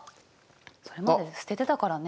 それまで捨ててたからね。